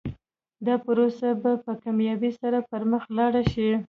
دا پروسه به په کامیابۍ سره پر مخ لاړه شي.